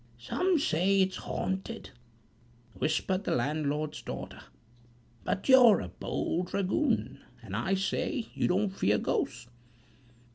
"Some say it's haunted!" whispered the landlord's daughter, "but you're a bold dragoon, and I dare say you don't fear ghosts.""